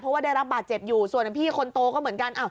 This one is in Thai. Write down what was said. เพราะว่าได้รับบาดเจ็บอยู่ส่วนพี่คนโตก็เหมือนกัน